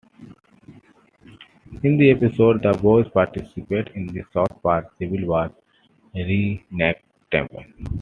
In the episode, the boys participate in the South Park Civil War reenactment.